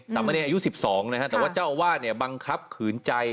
สามเมอร์เนยนอายุสิบสองนะฮะแต่ว่าเจ้าบ้านเนี่ยบังคับขื่นใจ